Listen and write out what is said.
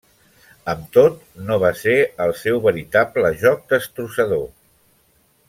Amb tot, no va ser el seu veritable joc destrossador.